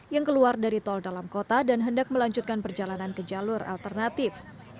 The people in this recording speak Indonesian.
yang keluar dari tol dalam kota dan hendak melanjutkan perjalanan ke jalur alternatif